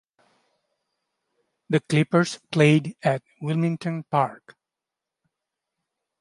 The Clippers played at Wilmington Park.